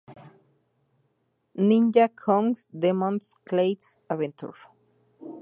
Ninja-kun's Demon Castle Adventure